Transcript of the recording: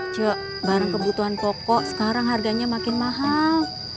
coba barang kebutuhan pokok sekarang harganya makin mahal